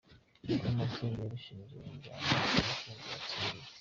Uko amatsinda yarushanyije imyanya n’ibihembo yatsindiye:.